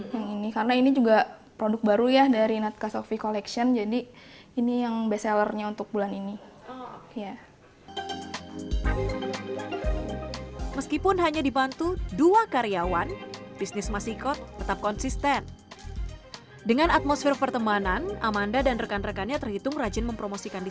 yang ini karena ini juga produk baru ya dari natka sofi collection jadi ini yang bestsellernya untuk bulan ini